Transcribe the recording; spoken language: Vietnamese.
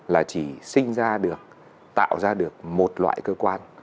là chỉ sinh ra được tạo ra được một loại cơ quan